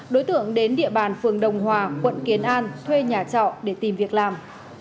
đối tượng đến địa bàn phường đồng hòa quận kiến an thuê nhà trọ để tìm việc làm